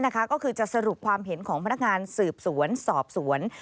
ก็คือจะสรุปความเห็นของพนักงานสืบสวนสอบสวน